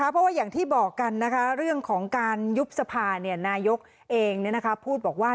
เพราะว่าอย่างที่บอกกันเรื่องของการยุบสภานายกเองพูดบอกว่า